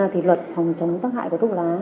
thì luật phòng chống tác hại của thuốc lá